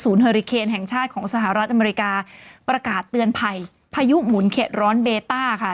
เฮอริเคนแห่งชาติของสหรัฐอเมริกาประกาศเตือนภัยพายุหมุนเข็ดร้อนเบต้าค่ะ